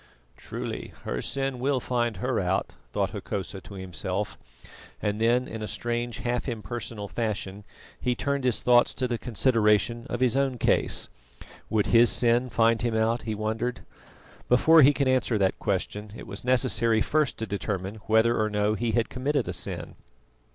"Truly, her sin will find her out," thought Hokosa to himself, and then in a strange half impersonal fashion he turned his thoughts to the consideration of his own case. Would his sin find him out? he wondered. Before he could answer that question, it was necessary first to determine whether or no he had committed a sin.